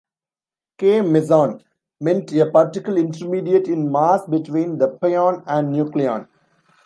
"K meson" meant a particle intermediate in mass between the pion and nucleon.